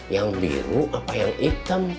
yang biru apa yang hitam